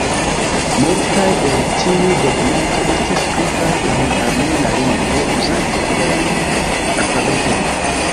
Multaj el tiuj dokumentoj estis skribaj en la aramea lingvo uzante la hebrean alfabeton.